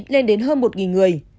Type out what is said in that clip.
lên đến hơn một người